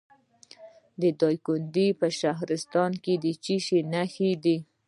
د دایکنډي په شهرستان کې د څه شي نښې دي؟